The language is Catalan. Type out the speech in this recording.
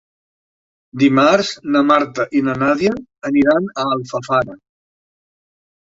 Dimarts na Marta i na Nàdia aniran a Alfafara.